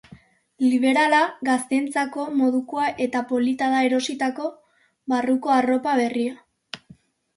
Liberala, gazteentzako modukoa eta polita da erositako barruko arropa berria.